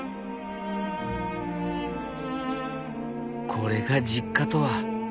これが実家とは。